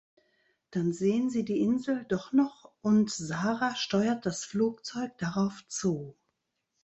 Dann sehen sie die Insel doch noch und Sara steuert das Flugzeug darauf zu.